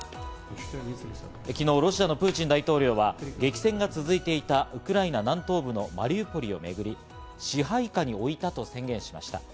昨日、ロシアのプーチン大統領は激戦が続いていたウクライナ南東部のマリウポリをめぐり、支配下に置いたと宣言しました。